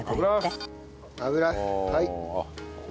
はい。